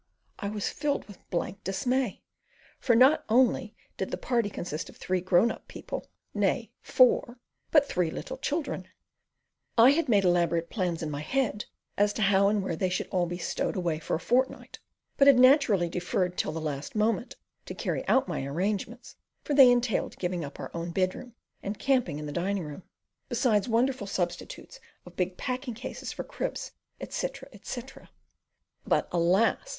I was filled with blank dismay, for not only did the party consist of three grown up people nay, four but three little children. I had made elaborate plans in my head as to how and where they should all be stowed away for a fortnight, but had naturally deferred till the last moment to carry out my arrangements, for they entailed giving up our own bedroom, and "camping" in the dining room, besides wonderful substitutes of big packing cases for cribs, etc. etc. But, alas!